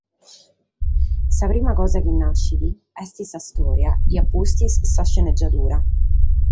Sa prima cosa chi naschet est sa stòria e a pustis sa scenegiadura.